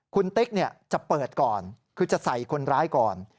คุณติ๊กจะเปิดก่อนคือจะใส่คนร้ายก่อน